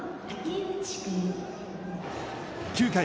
９回。